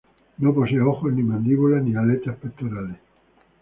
No posee ojos, ni mandíbulas, ni aletas pectorales.